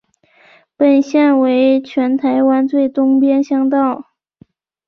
本线为全台湾最东边乡道。